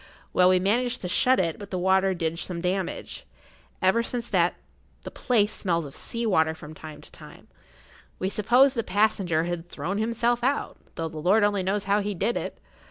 Well, we managed to shut it, but the water did some damage. Ever since that the[Pg 64] place smells of sea water from time to time. We supposed the passenger had thrown himself out, though the Lord only knows how he did it.